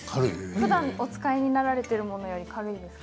ふだんお使いになられているものより軽いですか？